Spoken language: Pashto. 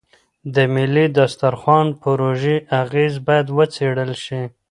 د ملي دسترخوان پروژې اغېز باید وڅېړل شي.